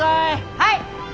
はい！